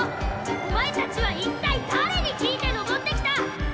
お前たちは一体誰に尋いて登って来た。